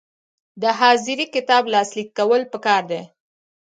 د حاضري کتاب لاسلیک کول پکار دي